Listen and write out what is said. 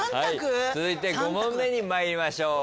続いて５問目に参りましょう。